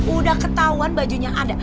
udah ketahuan bajunya ada